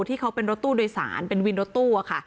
ที่เขาเป็นรถตู้โดยสารเป็นวินรถตู้ค่ะ